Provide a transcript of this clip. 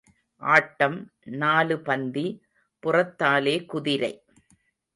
ஆட்டம் நாலு பந்தி புறத்தாலே குதிரை.